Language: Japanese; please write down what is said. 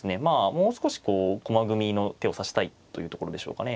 もう少しこう駒組みの手を指したいというところでしょうかね。